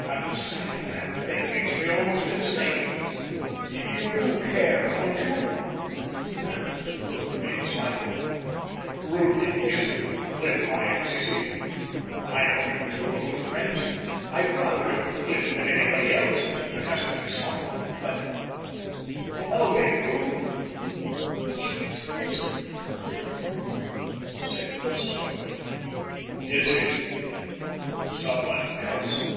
And the sight of that thing makes me almost insane. You do care, don't you?" And, as Ruth remained silent, "Ruth, it isn't Cliff Hymes, is it? I know you two are old friends. I'd rather it were Cliff than anybody else, if it had to be some one, but tell me, Ruth!" "It isn't Cliff," said Ruth slowly. "Is it some one else?"